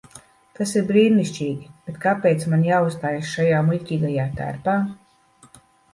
Tas ir brīnišķīgi, bet kāpēc man jāuzstājas šajā muļķīgajā tērpā?